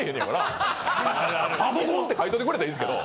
「パソコン」って書いといてくれたらいいですけど。